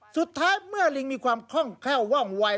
สุดท้ายเมื่อลิงมีความคล่องแคล่วว่องวาย